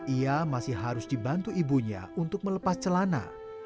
ia masih harus dibantu ibunya untuk melepas celana